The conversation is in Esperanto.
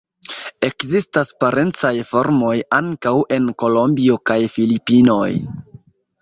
Ekzistas parencaj formoj ankaŭ en Kolombio kaj Filipinoj.